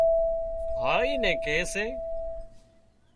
هاۯِي نين ڪي سي